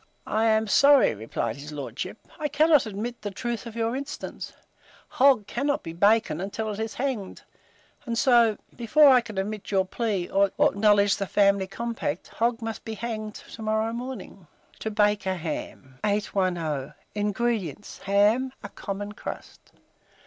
"I am sorry," replied his lordship, "I cannot admit the truth of your instance: hog cannot be bacon till it is hanged; and so, before I can admit your plea, or acknowledge the family compact, Hogg must be hanged to morrow morning." TO BAKE A HAM. 810. INGREDIENTS. Ham; a common crust.